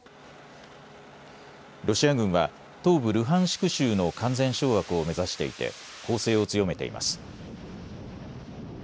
ロシア軍は東部ルハンシク州の完全掌握を目指していて攻勢を強めています。